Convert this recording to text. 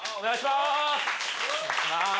お願いします！